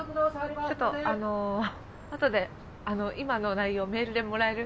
ちょっとあのあとであの今の内容をメールでもらえる？